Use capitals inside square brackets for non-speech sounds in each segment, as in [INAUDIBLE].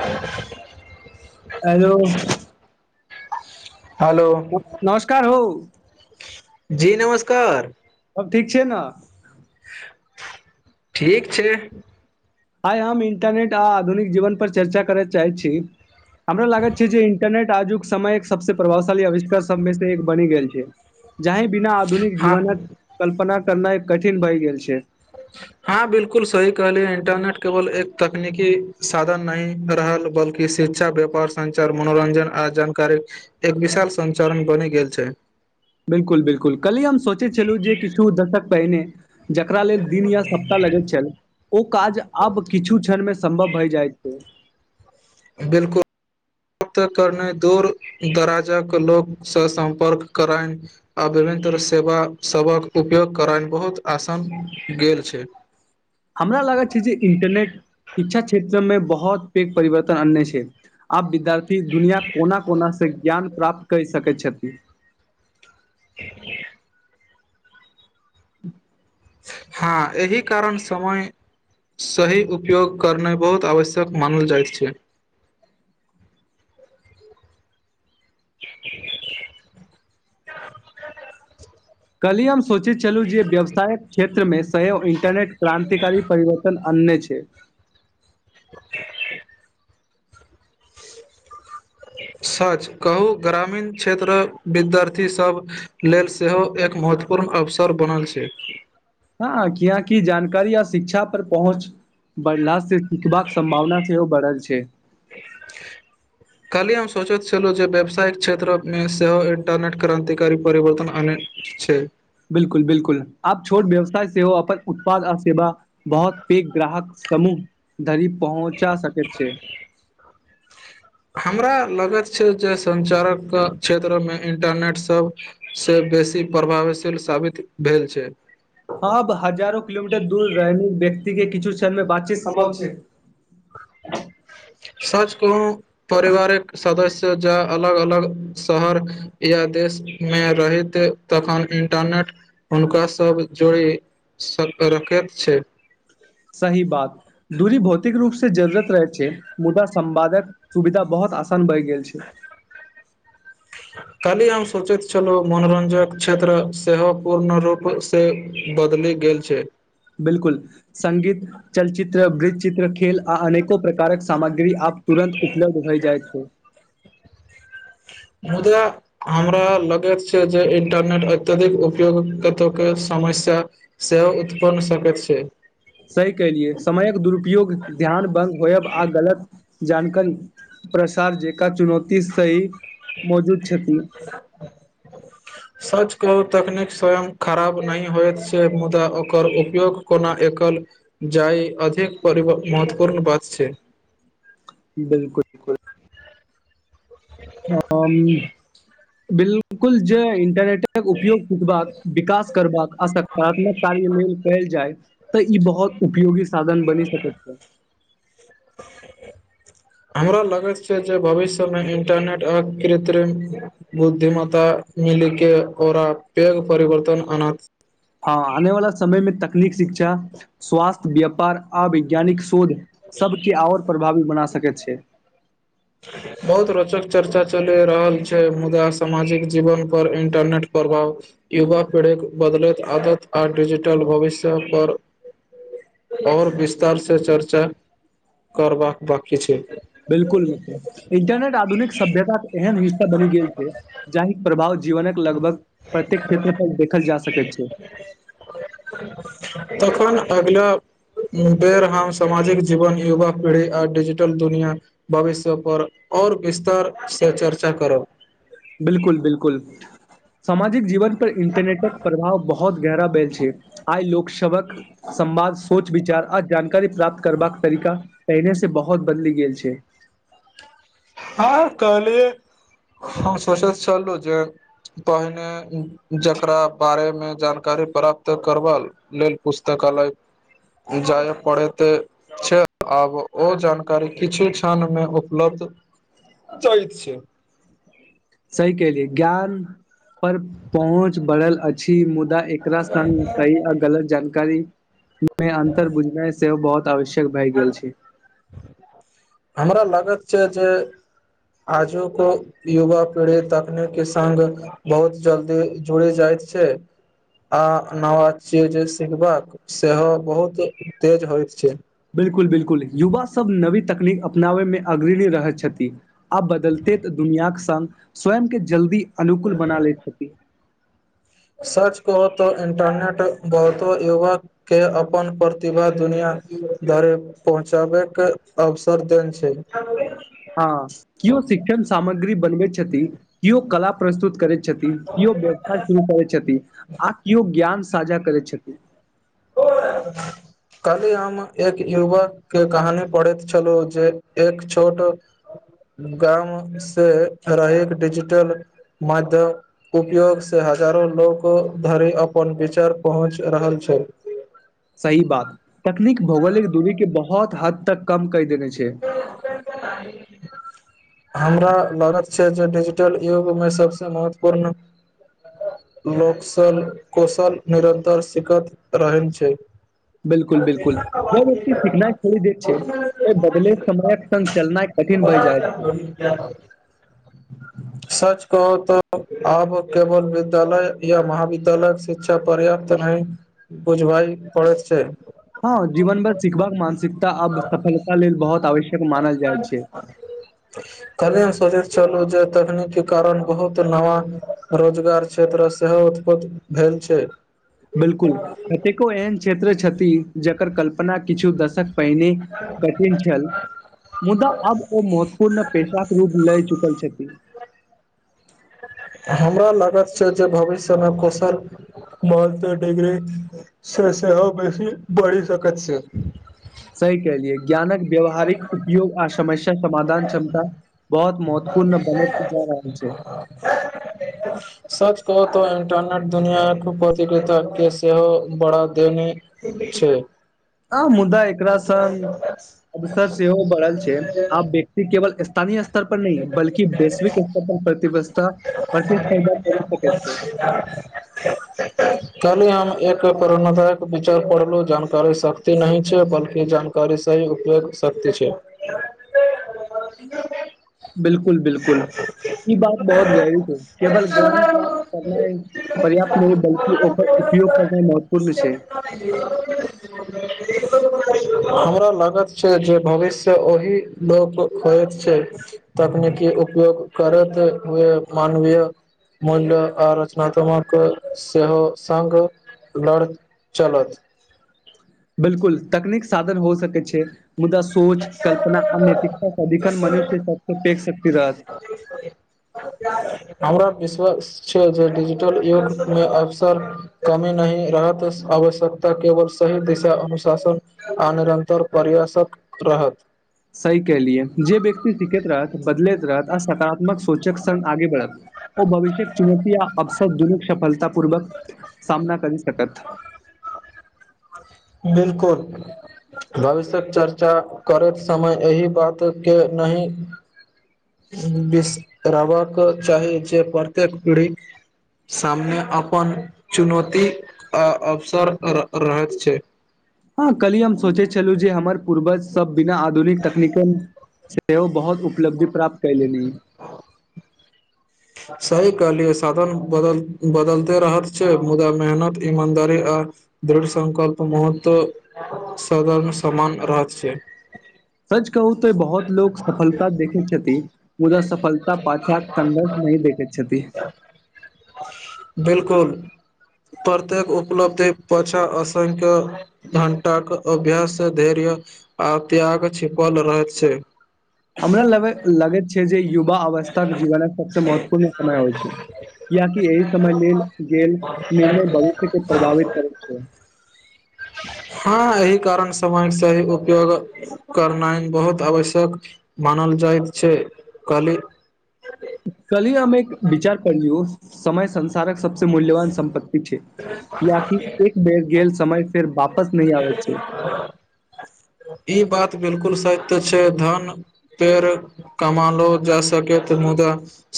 [INAUDIBLE] Hello. Hello उ नमस्कार हो। जी नमस्कार। सब ठीक छै नै। ठीक छै। आइ हम इंटरनेट, आ आधुनिक जीवनपर, चर्चा करय चाहै छी। हमरा लागै छै जे इन्टरनेट आजुक समय एक सबस प्रभावशाली आविष्कार सबमे से एक बनि गेल छै। जी बिना आधुनिक हँ जीवनक कल्पना। करना एक कठिन भइ गेल छै। हँ बिलकुल सही कहलियै इंटरनेट केवल एक तकनीकी साधन नहि रहल, बल्कि शिक्षा व्यापार सञ्चार मनोरञ्जन आ जानकारी एक विशाल संञ्चालन बनि गेल छै। बिलकुल -बिल्कुल कली हम सोचै छलहुँ, जे किछु दशक पहिने जकरा लेल दिन या सप्ताह लगैत छल, ओ काज आब किछु क्षणमे सम्भव भए जाइत छै। बिलकुल, प्राप्त करनाइ दूर दराजक लोकसँ सम्पर्क करायन, आभ्यभन्तर सेवासभक उपयोग करनाना, बहुत आसान गेल छै। हमरा मे बहुत पेघ परिवर्तन अन्य छै,, आब विद्य द्यार्थी दुनिया कोना -कोना से ज्ञान प्राप्त कहि सकै छथि। क। ह। हँ एहि कारण समय सही उपयोग करनाइ बहुत आवश्यक मानल जाइत छै। [UNINTELLIGIBLE] [UNINTELLIGIBLE] कलियम। सोचैत छलू जे व्यवसायक क्षेत्र मे सय इंटरनेट क्रान्तिकारी परिवर्तन अन्य छै। [UNINTELLIGIBLE] सच कहू, ग्रामीण क्षेत्र विद्यार्थीसभ लेल सेहो एक महत्वपूर्ण अवसर बनल छै। हँ किियकि, जानकारी आ शिक्षा पर पहुँच बढ़लाास से सिखबाक सम्भावना सेहो बढ़ल छै। काल्हि हम सोचैत छलहुँ, जे व्यावसायिक क्षेत्रमे सेहो इंटरनेट क्रान्तिकारी परिवर्तन आनैत छै। बिलकुल- बिलकुल आप छोट व्यवसाय सेहो हो अपन उत्पाद आ सेवा बहुत पेघ ग्राहक समूह धरी पहुँचा सकैत छै। हमरा लगैत छै, जे सञ्चारक क्षेत्रमे इन्टरनेटसभसँ बेसी प्रभावशील साबित भेल छै। आब हजारो किलोमीटर दूर रहने व्यक्ति किछु कमे बातचीत समभाव छै। सच कहू! परिवार एक सदस्य जँ अलग -अलग शहर या देशमे रहैत तखन इन्टरनेट हुनकासभ जोड़ि रखैत छै। सही बात दूरी भौतिक रूपसँ जरूरत रहैत छै, मुदा संवादक सुविधा बहुत आसान बढ़ गेल छै। काली हम सोचैत छलहुँ, मनोरञ्जक क्षेत्र सेहो पूर्ण रूपसँ बदलि गेल छै। बिल्कुल स्गीत चलचित्र वृतचित्र खेल आ अनेको प्रकारक सामग्री आब तुरन्त उपलब्ध होइ जाइत। ठ। मुदा हमरा लगैत छै जे इंटरनेट अत्यधिक उपयोग कत के समस्या से उत्पन्न सकैत छै। सही कलियै समयक दुरुपयोग ध्यान ब होयब आ गलत। जानकार प्रसार जेका चुनौती सही। मौजूद छथि। के तकनीक स्वयं खराब नहि होइत छै, मुदा ओकर उपयोग कोना एकल जाय अधिक महत्वपूर्ण बात छै। बिलकुल -बिलकुल। ह। हम बिलकुल जे इंटरनेट। उपयोग कूटबाक विकास। करबाक असकारात्मक कार्यमेल कयल जाय तऽ ई बहुत उपयोगी। साधन बनी सक छै। हमरा लगैत छै जे भविष्यमे इंटरनेट आ कृत्रिम बुद्धिम्ता मिली के ओकरा पैघ परिवर्तन अना। हँ आने वालला समय मे तक। नीक शिक्षा स्वास्थ्य व्यापार आ वैज्ञानिक शोध। सबके आओर पर। भ भी बना सकै छै। बहुत रोचक चर्चा चलि रहल छै मुदा सामाजिक जीवनपर इंटरनेट प्रभाव युवा पीढ़ीक बदलैत आदत आ डिजिटल भविष्यपर आओर विस्तारसँ चर्चा करबाक बाकी छै। बिल्कुल मित्र इंटरनेट आधुनिक सभ्यता के एहन हिस्सा बनि गेल छै जाहि प्रभाव। जीवनक लगभग प्रत्येक क्षेत्र तक देखल जा सकैत छै। तखन अगिला बेर हम सामाजिक जीवन युवा पीढ़ी आ डिजिटल दुनिआ भविष्य परर आओर विस्तारसँ चर्चा करब। बिलकुल बिलकुल सामाजिक जीवन। इंटरनेटक प्रभाव बहुत। गहरा भेल छै आइ लोक सबक संवाद सोच विचार आ जानकारी प्राप्त करबाक तरीका पहिने से बहुत बदलि गेल छै। हँ कहलियै हम सोचैत छलहु जे पहिने जकरा बारेमे जानकारी प्राप्त करबा लेल पुस्तकालय जाय पड़ैत छै आब ओ जानकारी किछु क्षण मे उपलब्ध। चइित छै। सही कहलियै ग्यारह। पर पहुँच बढ़ल अछि मुदा। एकरा सन सहि आ गलत जानकारी। मे अन्तर बुझने सेहो बहुत। भशक भइ गेल छी। ागत छै जे आजुक युवा पीढ़ी तकनीक के संगग बहुत जल्दी जुड़ी जायइत छै आ नविय जे सिखबाका सेहो बहुत तेज होय छै। बिलकुल बिलकुल युवा सभ नवी तकनीक अपनाबै मे अग्रणी रहैत छथि। आब बदलते दुनियााक स। स्वयं के जल्दी। अनुकूल बना ले छथि। सर्च कहू तऽ इन्टरनेट बहुतो युवाकेँ अपन प्रतिभा दुनिआँ धरि पहुँचाबैके अवसर देने छै। हँ केओ शिक्षण सामग्री बनबै छथि। कओ कला प्रस्तुत करै छै। छथि, केओ व्यवसाय शुरू करै छथि, आ कओ ज्ञान साझा करैत छथि। काल्हि हम एक युवकके कहानी पढ़ैत छलहुँ जे एक छोट गामसँ रहै डिजिटल माध्यम उपयोगसँ हजारो लोक धरि अपन विचार पहुँच रहल छल। सही बात तकनीक भौगोलिक दूरी के बहुत हद तक कम कर देने छै। हमरा लागत। छै जे डिजिटल युगमे सबसँ महत्वपूर्ण लोक कौशल निरन्तर सखैत रहै छै। बिलकुल -बिलकुल ज व्यक्ति सीखनाइ खो द छै। अगले समयक संगङ्ग चलनाइ कठिन भए जाइत छै। सच कह तऽ आब केवल विद्यालय या महाविद्यालय शिक्षा पर्याप्त नहि बुझबाइ पड़ैत छै। हँ जीवन भर सिखबाक मानसिकता आब सफलता लेल बहुत आवश्यक मानल जाइ छै। चलू जे! तकनीक के कारण बहुत नवा रोजगार क्षेत्र सेहो उत्पन भेल छै। बिलकुल कतेकेको एहन क्षेत्र छथि। जकर कल्पना किछु दशक पहिने कठिन छल, मुदा आब ओ महत्वपूर्ण पेशाक रूप लए चुकल छथिन। हमरा लग! जे भविष्य मे कसल म डिग्री से सेहो बेसी बढ़ि सकैत छै। सही कलियै, ज्ञानक व्यावहारिक उपयोग आ समस्या समाधान क्षमता बहुत महत्वपूर्ण बने जा रहल रहल छै। तऽ इंटरनेट दुनिया ख प्रतिकित के सेहो बढ़ा देनी छै। आ मुदा एकरा स अवसर सेहो बढ़ल छै, आ केवल स्थानीय ्तर पर नहि बल्कि वैश्विक स्तर पर प्रतिबा प्रतिस्पर्धा कर सक छै। कालहि हम एक प्रणताक विचार पढ़लहुँ, जानकारी शक्ति नहि छै, बल्कि जानकारी सही उपयोग शक्ति छै। बिलकुल- बिलकुल ई बात बहुत गहरी छै। केवल ग्राम प्राप्त करना ह! पर्याप्त नहि, बलकि उपयोग करने महत्वपूर्ण छै। हमरा लागत छै, जे भविष्य ओहि लोक होय छै। तकनीकी उपयोग करैत हुए, मानवीय मूल्य आ रचनात्मक सेहो सङ्ग लड़ चलत। बिलकुल तकनीक साधन हो सकै छै। मुदा सोच कल्पना आ नैतिकता सदिखन मनुष्य सबसँ फक सकती रह। विशास छै जे डिजिटल युग मे अवसर कमी नहि रहत आवश्यकता केवल सही दिशा अनुशासन आ निरन्तर पर्यासक। रहत। सी कलियए जे व्यक्ति सीखैत रहत बदलैत रहत आ सकारात्मक सोचक कण आगे बढ़त। ओ भविष्य चुनौत आ अप। स दुन सफलता पूर्वक सामना करी सकत। बिलकुल, भविष्य्यक चर्चा करैत, समय एहि बात के नहि! बिस रहबाक चाही, जे प्रत्येक पीढ़ी सामने अपन चुनौती आ अवसर रहैत छै। हँ कली हम सोचे छलहु, जे हमर पूर्वज सब बिना आधुनिक तकनीकल से से ओ बहुत। उपलब्ध प्राप्त क लैली। सही कलि साधन बदलते रहैत छै मुदा मेहनत ईमानदारी आ दृढ़ सङकल्प महत्व सदनमे समान रहत छै। सच। कहू तऽ बहुत लोकोग सफलता देखैत छथिन। मुदा सफलता पाछाक संघर्ष नहिही देखैत छथि। बिलकुल प्रत्येक उपलब्धि पाछा असंख्य घं्टाक अभ्यास धैर्य आ त्याग छिपल रहैत छै। हमरा लग लगैत छै जे युवा अवस्था जीवन सबस महत्वपूर्ण समय होइ छै याकि एहि समय लेल गेल निर्णय भविष्य के प्रभावित करै छै। हँ एहि कारण समय सही उपयोग करनाइ बहुत आवश्यक मानल जाइत छै कहली। कली अमे एक विचार पियौ समय संसारक। सबस मूल्यवान सं्पत्तति छै कियकि एक बेर गेलल समय फेर वापस नहि आबै छै। ई बात बिलकुल सत्य छै धन पेड़ कमओो जा सकैत मुदा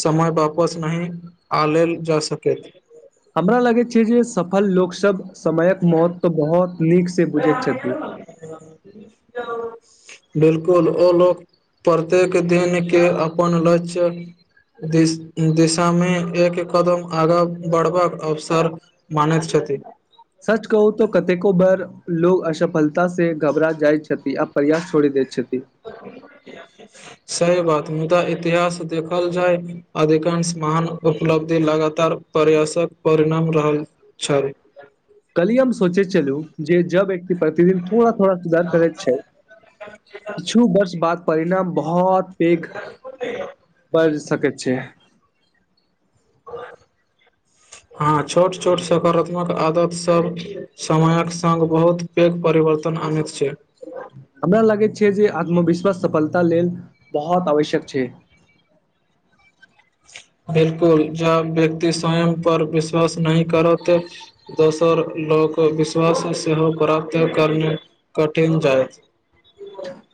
समय वापस नहि आल जा सकै। हमरा लगैत छै जे सफल लोकसभ समयक महत्व बहुत। नीक से बुझैत छथि [UNINTELLIGIBLE] बिलकुल ओ लोक प्रत्येक दिनक के अपन ल्ष्य दि दिशामे एक कदम आगाँ बढ़बाक अवसर मानैत छथिन। सच कहू तऽ कतेको बार लोग असफलता से घबरा जाइत छथि आ प्रयास छोड़ि दैत छथि। [UNINTELLIGIBLE] सही बात मुदा इतिहास देखल जाय अधिकांश महान उपलब्धि लगातार प्रयासक परिणाम रहल छल। कली हम सोचैत छललू जे जब व्यक्ति प्रतिदिन थोड़ा थोड़ा सुधार करैत छै। छल छू वर्ष बाद परिणाम बहुत। बहुत पेघ बढ़ सकैत छै। हँ छोट छोट सकारात्मक आदत सब समयक संगङ्ग बहुत पैघ परिवर्तन आनैत छै। हमरा लागैत छै जे आत्मविश्वास सफलता लेल बहुत आवश्यक छै। बिलकुल जब व्यक्ति स्वयंपर विश्वास नहि करत दोसर लोक विश्वास सेहो प्राप्त करना कठिन जायत।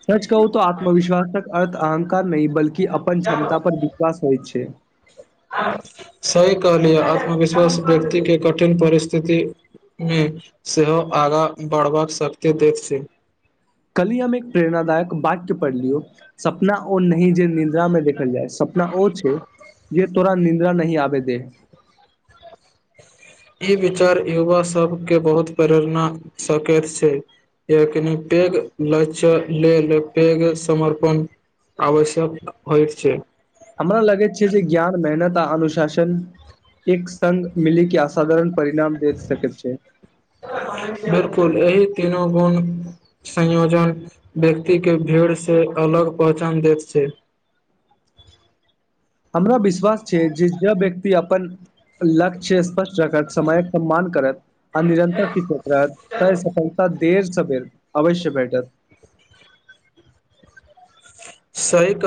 सच कहू तऽ आत्मविश्वासक अर्थ अहंकार नहि बल्कि। कि अपन क्षमता पर विश्वास होइ छै। सही कहलियै आत्मविश्वास व्यक्तिके कठिन परिस्थितिमे सेहो आगाँ बढ़बाक शक्ति दैत छै। कली हम एक प्रेरणादायक वाक्य पढ़ लियौ सपना ओ नह जे निद्रा मे देखल जाय सपना ओ छै जे तोरा निद्रा नही आबे देह। ई विचार युवा सब के बहुत प्रेरणा सकैत छै यक पैघ ल्ष्य लेल पैघ समर्पण आवश्यक होय छै। हमरा लगैत छै जे ज्ञान मेहनत आ अनुशासन एक सग मिलिक के असाधारण। परिणाम दे सक छै। बिलकुल एहि तीनू गुण संयोजन व्यक्तिके भीड़सँ अलग पहचान दैत छै। हमरा विश्वास छै जे ज व्यक्ति अपन लक्ष्य स्पष्ट। समयके सम्मान करैत। आ निरन्तर शी्षत्र रहत त सफलता देर सर। अवश्य‌ भेटत। सह क।